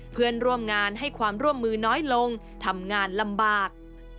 เพื่อนร่วมงานให้ความร่วมมือน้อยลงทำงานลำบาก